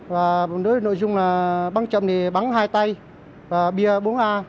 với nội dung bắn chậm thì bắn hai tay và bia bốn a